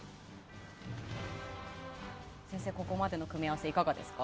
先生、ここまでの組み合わせいかがですか？